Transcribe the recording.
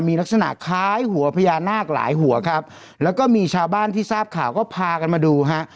มีลักษณะคล้ายหัวพญานาคหลายหัวครับแล้วก็มีชาวบ้านที่ทราบข่าวก็พากันมาดูฮะ